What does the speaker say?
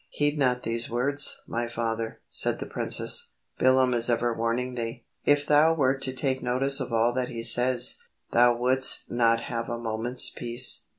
"Heed not these words, my father," said the princess. "Bilam is ever warning thee. If thou wert to take notice of all that he says, thou wouldst not have a moment's peace.